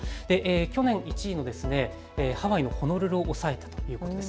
去年１位のハワイのホノルルを抑えてということです。